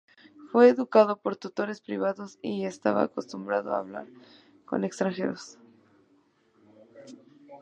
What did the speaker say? Fue educado por tutores privados, y estaba acostumbrado a hablar con extranjeros.